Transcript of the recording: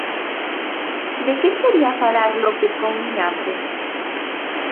De que quería falar López con Miñambres?